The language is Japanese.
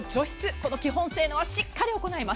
この基本性能はしっかり行います。